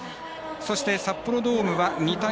そして、札幌ドームは２対０。